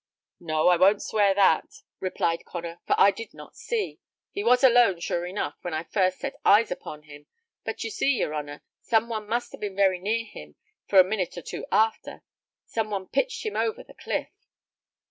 "No, I won't swear that," replied Connor, "for I did not see. He was alone, sure enough, when I first set eyes upon him; but you see, your honour, some one must have been very near him, for a minute or two arter, some one pitched him over the cliff."